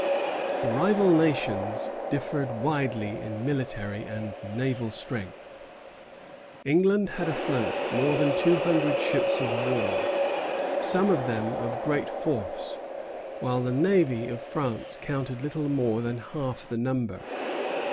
The rival nations differed widely in military and naval strength. England had afloat more than two hundred ships of war, some of them of great force; while the navy of France counted little more than half the number.